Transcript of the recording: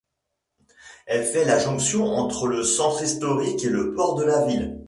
Elle fait la jonction entre le centre historique et le port de la ville.